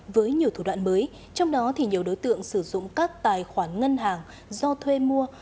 với nhiều thủ đoạn mới trong đó thì nhiều đối tượng sử dụng các tài khoản ngân hàng do thuê mua